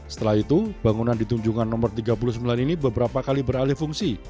setelah itu bangunan di tunjungan nomor tiga puluh sembilan ini beberapa kali beralih fungsi